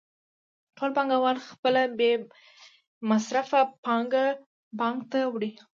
ټول پانګوال خپله بې مصرفه پانګه بانک ته وړي